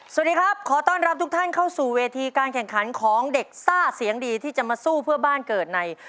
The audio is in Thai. สวัสดีครับขอต้อนรับทุกท่านเข้าสู่เวทีการแข่งขันของเด็กซ่าเสียงดีที่จะมาสู้เพื่อบ้านเกิดใน